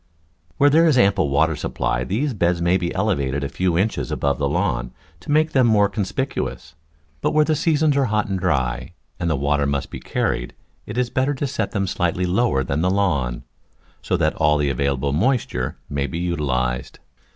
Where there is an ample water supply these beds may be elevated a few indies above the lawn to make them more conspicuous; but where the seasons are hot and dry and water must be carried it is better to set them slightly lower than the lawn, so that all the available moisture may be utilised.